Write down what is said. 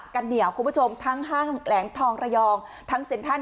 กันเหนียวคุณผู้ชมทั้งห้างแหลงทองระยองทั้งเซ็นทัน